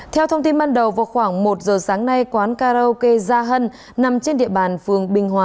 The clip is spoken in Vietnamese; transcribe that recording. theo thông tin ban đầu vào khoảng một giờ sáng nay quán karaoke gia hân nằm trên địa bàn phường bình hòa